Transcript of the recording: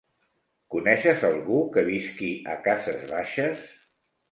Coneixes algú que visqui a Cases Baixes?